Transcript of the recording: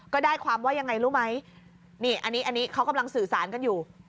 ได้ความว่ายังไงรู้ไหมนี่อันนี้เขากำลังสื่อสารกันอยู่